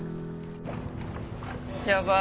やばい